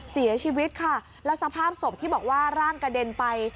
เสียชีวิตค่ะแล้วสภาพศพที่บอกว่าร่างกระเด็นไป